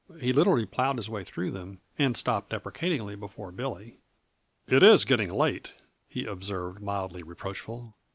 He literally plowed his way through them and stopped deprecatingly before Billy. "It is getting late," he observed, mildly reproachful.